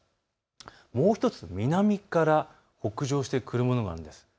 もう１つ南から北上してくるものがあるんです。